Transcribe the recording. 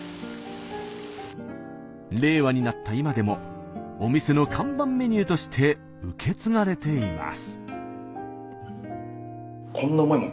令和になった今でもお店の看板メニューとして受け継がれています。